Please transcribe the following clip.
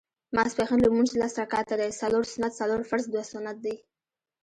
ماسپښېن لمونځ لس رکعته دی څلور سنت څلور فرض دوه سنت دي